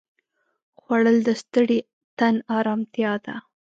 خوړل د ستړي تن ارامتیا ده